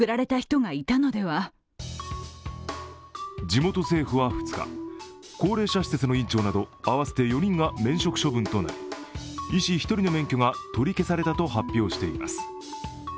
地元政府は２日、高齢者施設の院長など合わせて４人が免職処分となり医師１人の免許が取り消されたと発表しています。